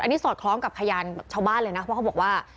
อันนี้สอดคล้องกับพยานชาวบ้านเลยนะเพราะเขาบอกว่า